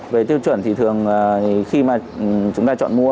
về tiêu chuẩn thì thường khi mà chúng ta chọn mua